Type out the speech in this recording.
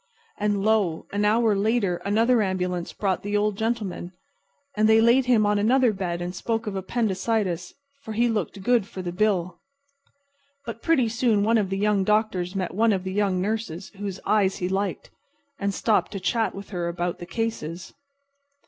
And lo! an hour later another ambulance brought the Old Gentleman. And they laid him on another bed and spoke of appendicitis, for he looked good for the bill. But pretty soon one of the young doctors met one of the young nurses whose eyes he liked, and stopped to chat with her about the cases.